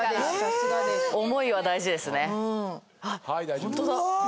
思いは大事ですね。